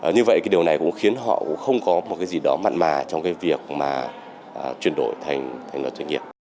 như vậy cái điều này cũng khiến họ không có một cái gì đó mặn mà trong cái việc mà chuyển đổi thành luật doanh nghiệp